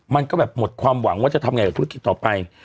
มันก็แบบหมดความหวังว่าจะทำไงกับธุรกิจต่อไป